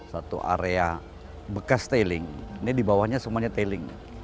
satu area bekas tiling ini di bawahnya semuanya tiling